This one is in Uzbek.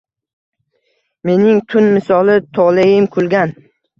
Mening tun misoli toleim kulgan.